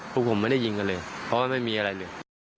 พวกผมไม่ได้ยิงกันเลยเพราะว่าไม่มีอะไรเลย